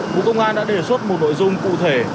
củng tông an đã đề xuất một nội dung cụ thể